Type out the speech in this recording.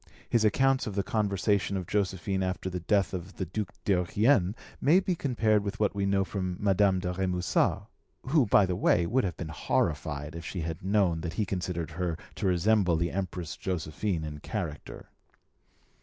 His account of the conversation of Josephine after the death of the Duc d'Eughien may be compared with what we know from Madame de Remusat, who, by the way, would have been horrified if she had known that he considered her to resemble the Empress Josephine in character.